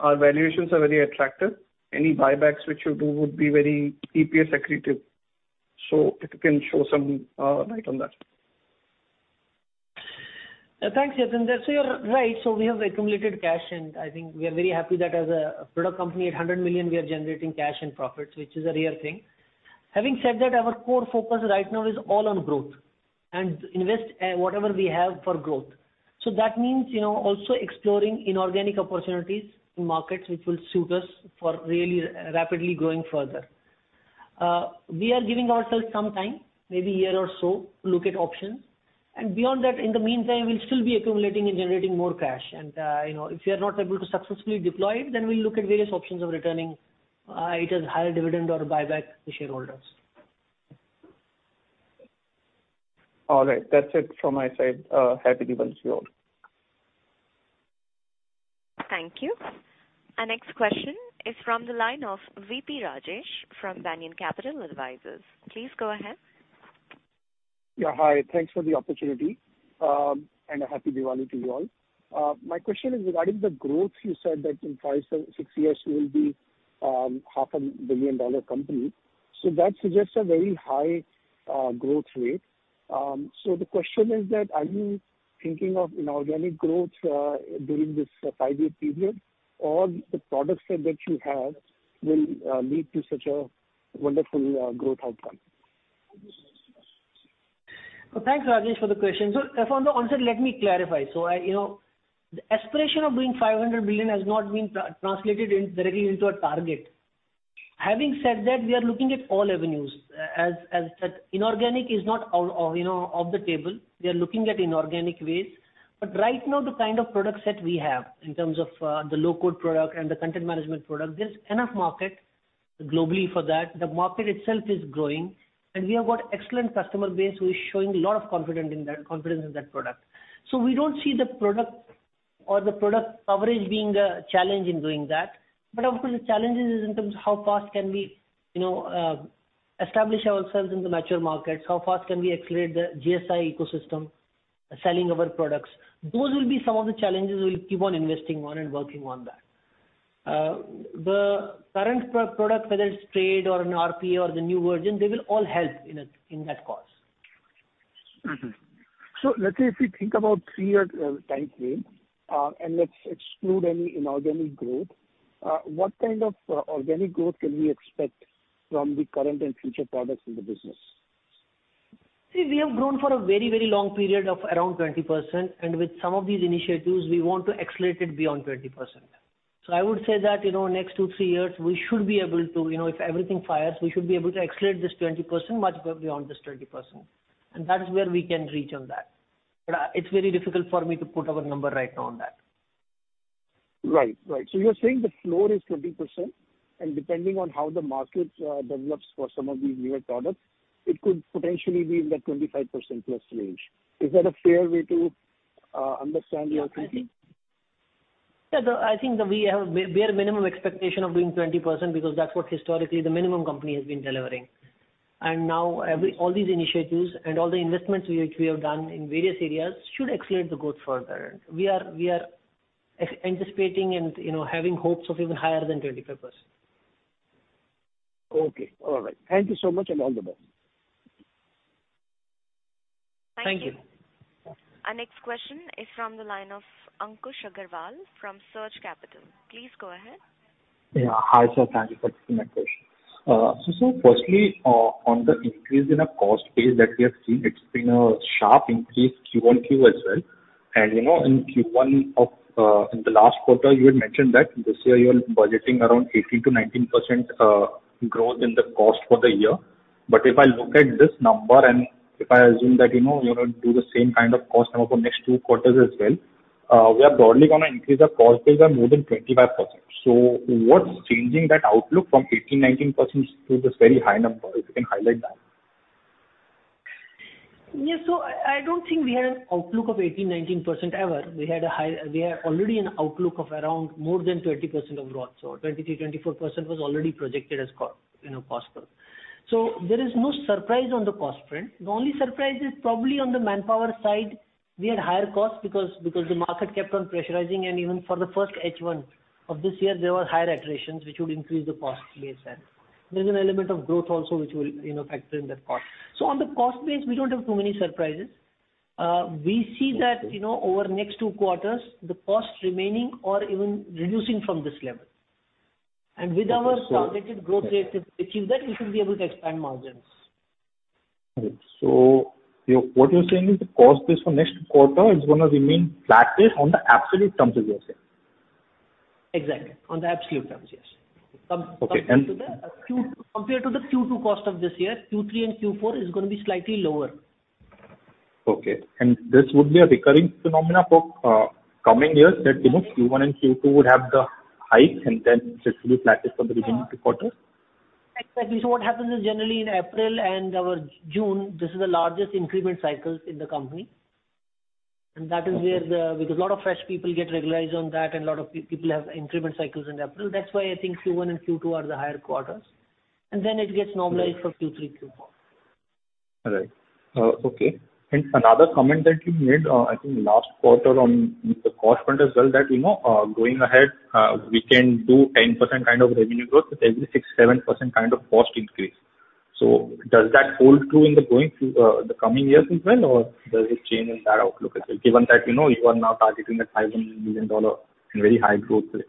Speaker 12: our valuations are very attractive. Any buybacks which you do would be very EPS accretive. If you can shed some light on that.
Speaker 5: Thanks, Jitendra. You're right. We have accumulated cash, and I think we are very happy that as a product company at $100 million, we are generating cash and profits, which is a real thing. Having said that, our core focus right now is all on growth and invest whatever we have for growth. That means, you know, also exploring inorganic opportunities in markets which will suit us for really rapidly growing further. We are giving ourselves some time, maybe a year or so, to look at options. Beyond that, in the meantime, we'll still be accumulating and generating more cash. You know, if we are not able to successfully deploy it, then we'll look at various options of returning either higher dividend or buyback to shareholders.
Speaker 12: All right. That's it from my side. Happy Diwali to you all.
Speaker 1: Thank you. Our next question is from the line of V.P. Rajesh from Banyan Capital Advisors. Please go ahead.
Speaker 13: Yeah. Hi. Thanks for the opportunity. A Happy Diwali to you all. My question is regarding the growth. You said that in five, six years, you will be half a billion dollar company. That suggests a very high growth rate. The question is that, are you thinking of inorganic growth during this five-year period? Or the product set that you have will lead to such a wonderful growth outcome?
Speaker 5: Thanks, Rajesh, for the question. From the onset, let me clarify. I, you know, the aspiration of being 500 billion has not been translated directly into a target. Having said that, we are looking at all avenues. As said, inorganic is not out of, you know, of the table. We are looking at inorganic ways. But right now the kind of product set we have in terms of the low-code product and the content management product, there's enough market globally for that. The market itself is growing, and we have got excellent customer base who is showing a lot of confidence in that product. We don't see the product or the product coverage being a challenge in doing that. Of course, the challenge is in terms of how fast can we, you know, establish ourselves in the mature markets, how fast can we accelerate the GSI ecosystem, selling our products. Those will be some of the challenges we'll keep on investing on and working on that. The current pro-product, whether it's trade or an RPA or the new version, they will all help in that cause.
Speaker 13: Let's say if we think about three-year time frame and let's exclude any inorganic growth, what kind of organic growth can we expect from the current and future products in the business?
Speaker 5: See, we have grown for a very, very long period of around 20%, and with some of these initiatives, we want to accelerate it beyond 20%. I would say that, you know, next two to three years, we should be able to, you know, if everything fires, we should be able to accelerate this 20% much beyond this 20%. That is where we can reach on that. It's very difficult for me to put our number right now on that.
Speaker 13: Right. You're saying the floor is 20%, and depending on how the market develops for some of these newer products, it could potentially be in that 25% plus range. Is that a fair way to understand your thinking?
Speaker 5: I think that we have a bare minimum expectation of doing 20% because that's what historically the minimum the company has been delivering. Now every all these initiatives and all the investments which we have done in various areas should accelerate the growth further. We are anticipating and, you know, having hopes of even higher than 25%.
Speaker 13: Okay. All right. Thank you so much, and all the best.
Speaker 5: Thank you.
Speaker 13: Thank you.
Speaker 1: Our next question is from the line of Ankush Agrawal from Surge Capital. Please go ahead.
Speaker 14: Yeah. Hi, sir. Thank you for taking my question. So, sir, firstly, on the increase in a cost base that we have seen, it's been a sharp increase Q1, Q2 as well. You know, in Q1 of, in the last quarter, you had mentioned that this year you are budgeting around 18%-19% growth in the cost for the year. If I look at this number and if I assume that, you know, you're gonna do the same kind of cost number for next two quarters as well, we are broadly gonna increase our cost base by more than 25%. What's changing that outlook from 18%-19% to this very high number? If you can highlight that.
Speaker 5: Yeah. I don't think we had an outlook of 18%-19% ever. We had already an outlook of around more than 20% of growth. 23%-24% was already projected as, you know, possible. There is no surprise on the cost front. The only surprise is probably on the manpower side, we had higher costs because the market kept on pressurizing and even for the first H1 of this year, there were higher attritions which would increase the cost base then. There is an element of growth also which will, you know, factor in that cost. On the cost base, we don't have too many surprises. We see that, you know, over next two quarters, the costs remaining or even reducing from this level. With our targeted growth rate, if we achieve that, we should be able to expand margins.
Speaker 14: All right. You, what you're saying is the cost base for next quarter is gonna remain flattish on the absolute terms is what you're saying?
Speaker 5: Exactly. On the absolute terms, yes.
Speaker 14: Okay.
Speaker 5: Compared to the Q2 cost of this year, Q3 and Q4 is gonna be slightly lower.
Speaker 14: Okay. This would be a recurring phenomenon for coming years that, you know, Q1 and Q2 would have the hike and then just be flattish for the remaining two quarters?
Speaker 5: Exactly. What happens is generally in April and June, this is the largest increment cycles in the company. That is where, because a lot of fresh people get regularized on that and a lot of people have increment cycles in April. That's why I think Q1 and Q2 are the higher quarters. Then it gets normalized for Q3, Q4.
Speaker 14: All right. Okay. Another comment that you made, I think last quarter on the cost front as well, that, you know, going ahead, we can do 10% kind of revenue growth with every 6%-7% kind of cost increase. Does that hold true going forward, the coming years as well or does it change in that outlook as well, given that, you know, you are now targeting that $500 million in very high growth rate?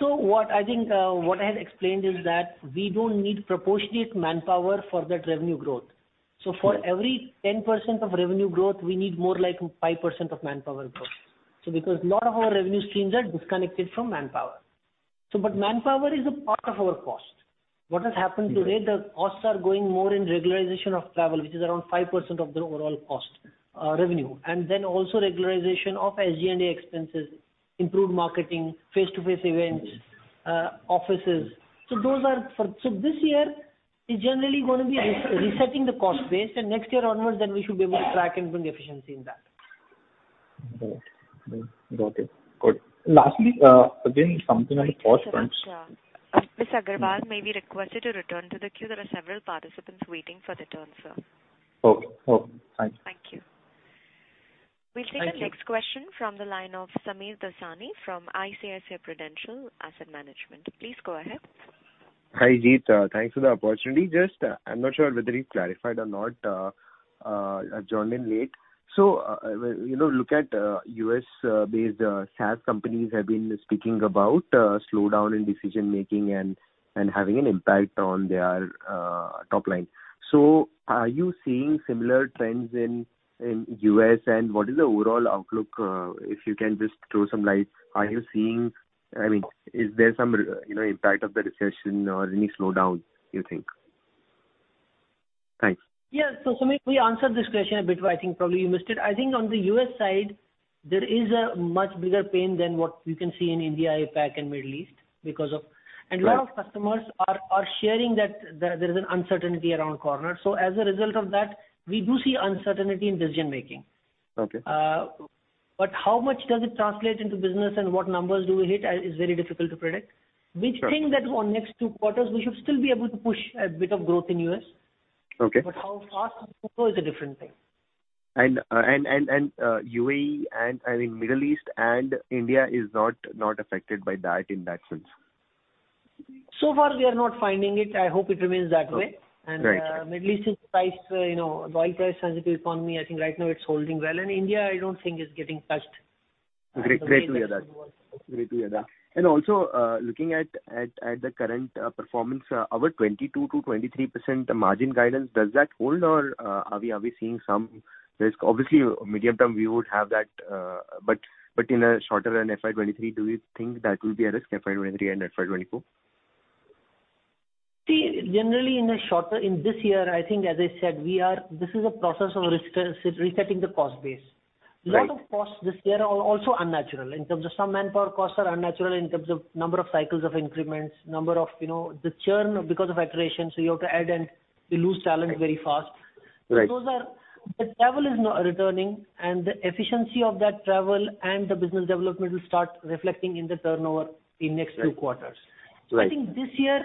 Speaker 5: What I think, what I had explained is that we don't need proportionate manpower for that revenue growth. For every 10% of revenue growth, we need more like 5% of manpower growth. Because a lot of our revenue streams are disconnected from manpower. But manpower is a part of our cost. What has happened today, the costs are going more in regularization of travel, which is around 5% of the overall cost, revenue. Then also regularization of SG&A expenses, improved marketing, face-to-face events, offices. This year is generally gonna be resetting the cost base and next year onwards then we should be able to track and bring efficiency in that.
Speaker 14: Got it. Good. Lastly, again something on the cost front.
Speaker 1: Sir, Mr. Agrawal may be requested to return to the queue. There are several participants waiting for their turn, sir.
Speaker 14: Okay. Oh, thanks.
Speaker 1: Thank you.
Speaker 5: Thank you.
Speaker 1: We'll take our next question from the line of Sameer Dosani from ICICI Prudential Asset Management. Please go ahead.
Speaker 15: Hi, Jeet. Thanks for the opportunity. Just, I'm not sure whether you've clarified or not, I joined in late. You know, look at U.S.-based SaaS companies have been speaking about slowdown in decision making and having an impact on their top line. Are you seeing similar trends in U.S.? What is the overall outlook? If you can just throw some light. I mean, is there some, you know, impact of the recession or any slowdown, do you think? Thanks.
Speaker 5: Yeah. Sameer, we answered this question a bit, but I think probably you missed it. I think on the U.S. side, there is a much bigger pain than what you can see in India, APAC and Middle East because of.
Speaker 15: Right.
Speaker 5: A lot of customers are sharing that there is an uncertainty around the corner. As a result of that, we do see uncertainty in decision making.
Speaker 15: Okay.
Speaker 5: How much does it translate into business and what numbers do we hit is very difficult to predict.
Speaker 15: Sure.
Speaker 5: We think that in next two quarters we should still be able to push a bit of growth in U.S.
Speaker 15: Okay.
Speaker 5: How fast we grow is a different thing.
Speaker 15: UAE and, I mean, Middle East and India is not affected by that in that sense?
Speaker 5: So far we are not finding it. I hope it remains that way.
Speaker 15: Okay. Great.
Speaker 5: Middle East is priced, you know, oil price sensitive economy. I think right now it's holding well. India, I don't think is getting touched, the way it has been working.
Speaker 15: Great to hear that. Looking at the current performance, our 22%-23% margin guidance, does that hold or are we seeing some risk? Obviously, medium term we would have that, but in a shorter than FY 2023, do you think that will be a risk, FY 2023 and FY 2024?
Speaker 5: See, generally in this year, I think as I said, this is a process of resetting the cost base.
Speaker 15: Right.
Speaker 5: lot of costs this year are also unnatural in terms of some manpower costs are unnatural in terms of number of cycles of increments, you know, the churn because of acceleration, so you have to add and you lose talent very fast.
Speaker 15: Right.
Speaker 5: The travel is now returning and the efficiency of that travel and the business development will start reflecting in the turnover in next two quarters.
Speaker 15: Right.
Speaker 5: I think this year,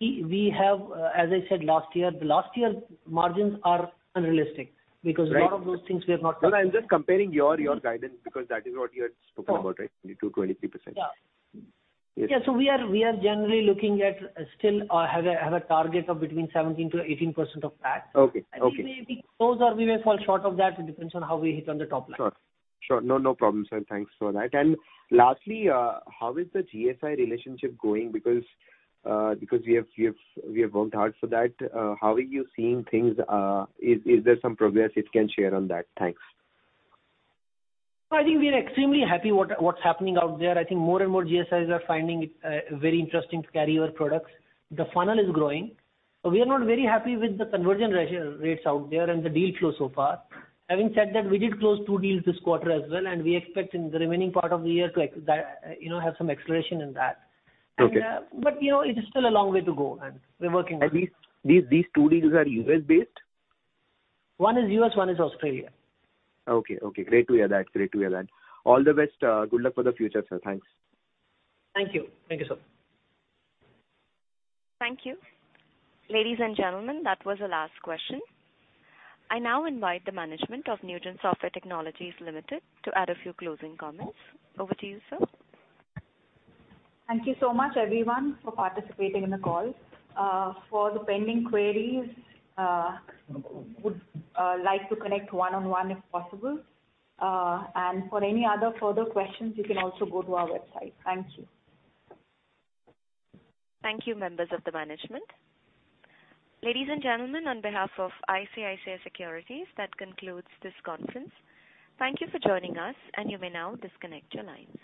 Speaker 5: we have, as I said last year, the last year margins are unrealistic because.
Speaker 15: Right.
Speaker 5: A lot of those things we are not considering.
Speaker 15: No, I'm just comparing your guidance because that is what you had spoken about, right?
Speaker 5: Sure.
Speaker 15: 22%-23%.
Speaker 5: Yeah.
Speaker 15: Yes.
Speaker 5: Yeah. We are generally looking at still or have a target of between 17%-18% of that.
Speaker 15: Okay. Okay.
Speaker 5: We may be close or we may fall short of that. It depends on how we hit on the top line.
Speaker 15: Sure. No problem, sir. Thanks for that. Lastly, how is the GSI relationship going? Because we have worked hard for that. How are you seeing things? Is there some progress you can share on that? Thanks.
Speaker 5: I think we are extremely happy with what's happening out there. I think more and more GSIs are finding it very interesting to carry our products. The funnel is growing. We are not very happy with the conversion ratio rates out there and the deal flow so far. Having said that, we did close two deals this quarter as well, and we expect in the remaining part of the year to you know, have some acceleration in that.
Speaker 15: Okay.
Speaker 5: You know, it is still a long way to go and we're working on it.
Speaker 15: Are these two deals U.S.-based?
Speaker 5: One is U.S., one is Australia.
Speaker 15: Okay. Great to hear that. All the best. Good luck for the future, sir. Thanks.
Speaker 5: Thank you. Thank you, sir.
Speaker 1: Thank you. Ladies and gentlemen, that was the last question. I now invite the management of Newgen Software Technologies Limited to add a few closing comments. Over to you, sir.
Speaker 2: Thank you so much everyone for participating in the call. For the pending queries, would like to connect one-on-one if possible. For any other further questions, you can also go to our website. Thank you.
Speaker 1: Thank you, members of the management. Ladies and gentlemen, on behalf of ICICI Securities, that concludes this conference. Thank you for joining us, and you may now disconnect your lines.